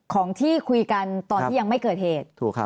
ของที่คุยกันตอนที่ยังไม่เกิดเหตุ